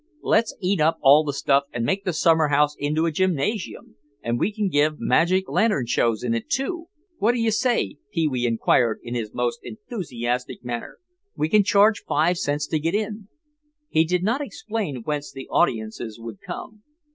"Let's eat up all the stuff and make the summer house into a gymnasium, and we can give magic lantern shows in it, too. What do you say?" Pee wee inquired in his most enthusiastic manner. "We can charge five cents to get in." He did not explain whence the audiences would come.